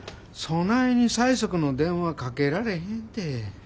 そないに催促の電話かけられへんて。